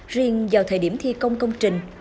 riêng vào thời điểm thi công công trình